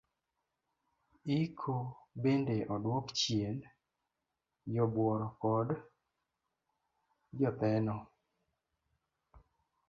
Iko bende oduok chien jobuoro kod jotheno.